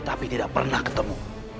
tapi tidak pernah ketemu